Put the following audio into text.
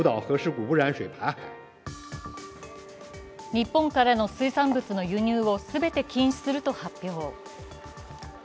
日本からの水産物の輸入を全て禁止すると発表。